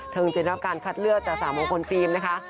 เธอจินต้องการคัดเลือกจากสามองคนฟีล์มนะคะ